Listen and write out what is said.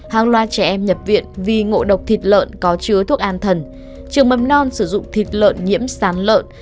hàng loạt trẻ em nhập viện vì ngộ độc thịt lợn có chứa thuốc an thần trường mầm non sử dụng thịt lợn nhiễm sán lợn